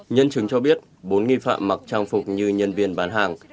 nhân chứng cho biết bốn nghi phạm mặc trang phục như nhân viên bán hàng